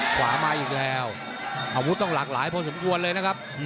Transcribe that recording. ขวามาอีกแล้วอาวุธต้องหลากหลายพอสมควรเลยนะครับ